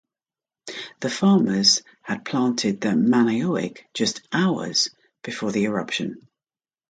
The farmers had planted the manioc "just hours" before the eruption.